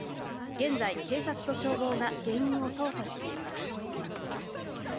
現在、警察と消防が原因を捜査しています。